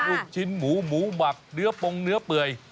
ลูกชิ้นหมูหมูหมักเนื้อปงเนื้อเปื่อย